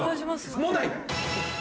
問題。